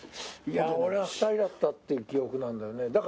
いや俺は２人だったっていう記憶なんだよね。